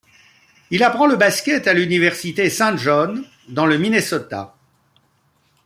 Il apprend le basket à l'Université St John dans le Minnesota.